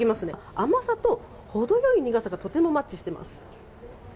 甘さとほどよい苦さがとてもマッチしています。